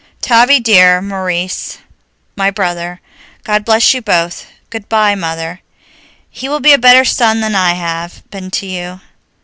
"Tavie dear, Maurice, my brother, God bless you both. Good bye, Mother. He will be a better son than I have been to you."